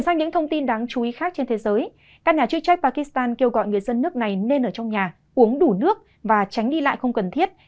các nhà chức trách đã kêu gọi người dân ở trong nhà uống đủ nước và tránh đi lại không cần thiết